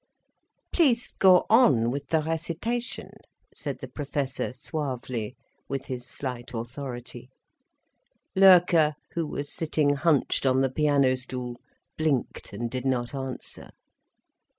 "Please go on with the recitation," said the Professor, suavely, with his slight authority. Loerke, who was sitting hunched on the piano stool, blinked and did not answer.